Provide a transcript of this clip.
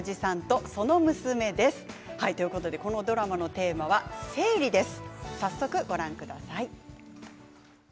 このドラマのテーマは生理です。